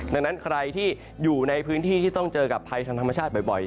ดังนั้นใครที่อยู่ในพื้นที่ที่ต้องเจอกับภัยทางธรรมชาติบ่อย